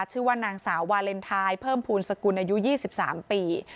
ชื่อว่านางสาววาเลนไทยเพิ่มภูมิสกุลอายุ๒๓ปี